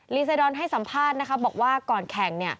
ไซดอนให้สัมภาษณ์บอกว่าก่อนแข่ง